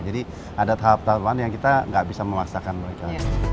jadi ada tahap tahapan yang kita nggak bisa memaksakan mereka